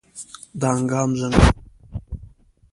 دانګام ځنګلونه ګڼ دي؟